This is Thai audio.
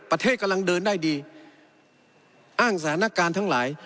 ประเทศกำลังเดินได้ดีอ้างสถานการณ์ทั้งหลาย